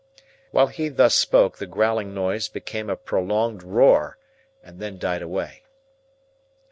While he thus spoke, the growling noise became a prolonged roar, and then died away.